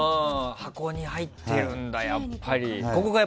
箱に入ってるんだ、やっぱり。